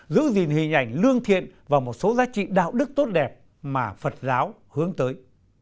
giữ gìn hình ảnh lương thiện và một số giá trị đạo đức tốt đẹp mà phật giáo hướng tới